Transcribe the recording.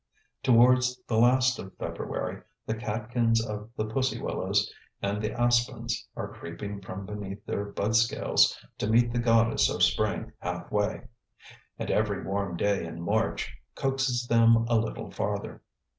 Towards the last of February the catkins of the pussy willows and the aspens are creeping from beneath their budscales to meet the goddess of spring half way, and every warm day in March coaxes them a little farther.